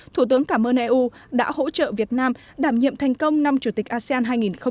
thủ tướng cảm ơn eu đã hỗ trợ việt nam đảm nhiệm thành công năm chủ tịch asean hai nghìn hai mươi